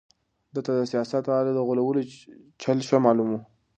ده ته د سياستوالو د غولولو چل ښه معلوم و.